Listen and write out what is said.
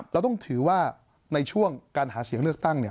เราต้องถือว่าในช่วงการหาเสียงเลือกตั้งเนี่ย